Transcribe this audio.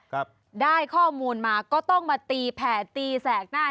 ครับได้ข้อมูลมาก็ต้องมาตีแผ่ตีแสกหน้า